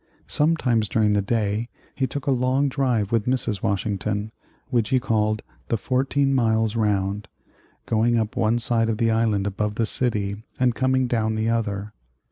Sometimes during the day he took a long drive with Mrs. Washington, which he called the "Fourteen Miles 'round," going up one side of the island above the city and coming down the other.